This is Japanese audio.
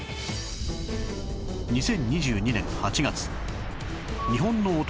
２０２２年８月日本のお隣